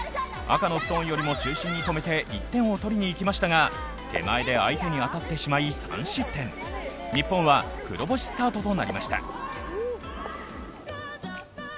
赤のストーンよりも中心に止めて１点を取りにいきましたが、手前で相手に当たってしまい３失点日本は黒星スタートとなりました。